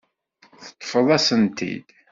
Teṭṭfeḍ-asen-t-id.